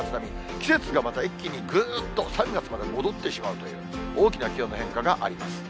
季節がまた一気にぐーっと３月まで戻ってしまうという、大きな気温の変化があります。